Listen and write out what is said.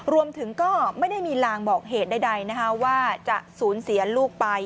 รวมถึงก็ไม่ได้มีลางบอกเหตุใดว่าจะสูญเสียลูกไป